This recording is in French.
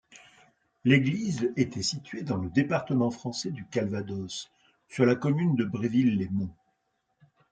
L'église était située dans le département français du Calvados, sur la commune de Bréville-les-Monts.